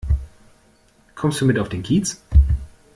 Kommst du mit auf den Kiez?